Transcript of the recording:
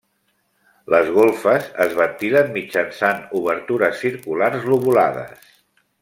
Les golfes es ventilen mitjançant obertures circulars lobulades.